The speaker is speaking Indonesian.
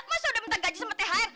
masa udah minta gaji sama thr